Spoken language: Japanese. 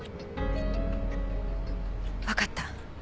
わかった。